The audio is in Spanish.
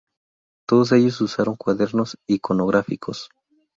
Todos ellos usaron cuadernos iconográficos.